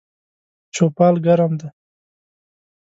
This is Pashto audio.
چوپال ګرم ده